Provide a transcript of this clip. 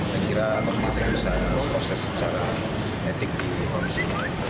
sekiranya memperbaiki proses secara etik di komisi